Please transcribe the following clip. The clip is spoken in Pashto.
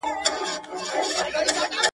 له یوسف څخه به غواړم د خوبونو تعبیرونه.